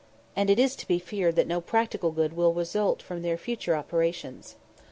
] and it is to be feared that no practical good will result from their future operations.